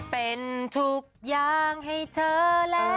เป็นทุกอย่างให้เธอแล้ว